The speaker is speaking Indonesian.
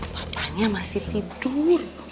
papanya masih tidur